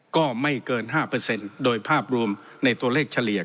ก็ไม่เกิน๕โดยภาพรวมในตัวเลขเฉลี่ย